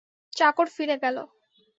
চাকর ফিরে গেল।